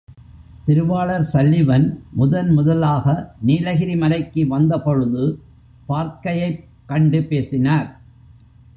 திருவாளர் சல்லிவன் முதன் முதலாக நீலகிரி மலைக்கு வந்தபொழுது, பார்த்கையைக் கண்டு பேசினார்.